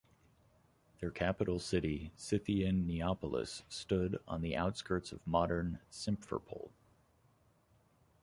Their capital city, Scythian Neapolis, stood on the outskirts of modern Simferopol.